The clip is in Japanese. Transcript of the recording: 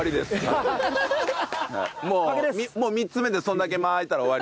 もう３つ目でそれだけ間空いたら終わりです。